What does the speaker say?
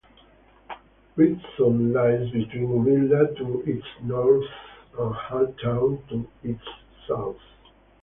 Reedson lies between Uvilla to its North, and Halltown to its South.